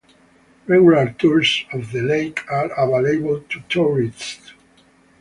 Regular tours of the lake are available to tourists.